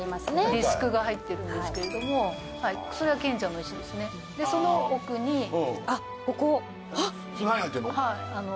ディスクが入ってるんですけれどもそれは「賢者の石」ですねでその奥にあっここうわっ何入ってんの？